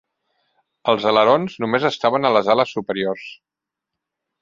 Els alerons només estaven a les ales superiors.